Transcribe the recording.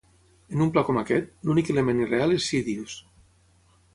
En un pla com aquest, l'únic element irreal és Sidious.